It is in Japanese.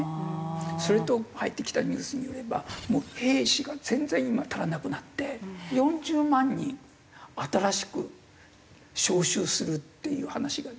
それと入ってきたニュースによればもう兵士が全然今足らなくなって４０万人新しく招集するっていう話が出てきて。